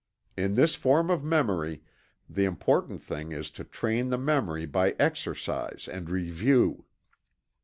In this form of memory, the important thing is to train the memory by exercise and review.